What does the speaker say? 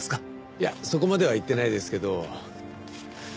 いやそこまでは言ってないですけど。